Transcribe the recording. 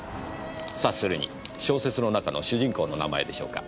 察するに小説の中の主人公の名前でしょうか？